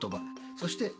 そして「？」